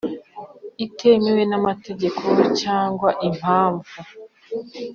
itemewe n amategeko cyangwa impamvu